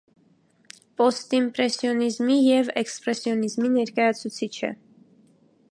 Պոստիմպրեսիոնիզմի և էքսպրեսիոնիզմի ներկայացուցիչ է։